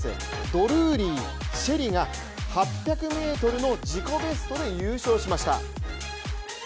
ドルーリー朱瑛里が８００ｍの自己ベストで優勝しました。